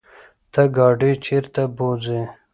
ته ګاډی چرته بوځې؟